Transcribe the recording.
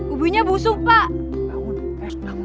ubinya busuk pak